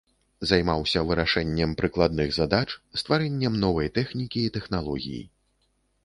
Займаўся вырашэннем прыкладных задач, стварэннем новай тэхнікі і тэхналогій.